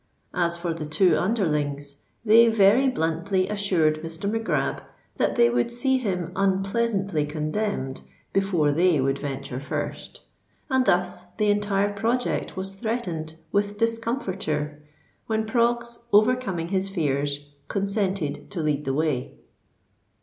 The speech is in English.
As for the two underlings, they very bluntly assured Mr. Mac Grab that they would see him unpleasantly condemned before they would venture first; and thus the entire project was threatened with discomfiture, when Proggs, overcoming his fears, consented to lead the way.